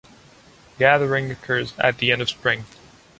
Gathering occurs at the end of spring.